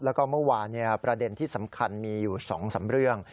แล้วก็เมื่อวานประเด็นที่สำคัญมีอยู่๒๓เรื่อง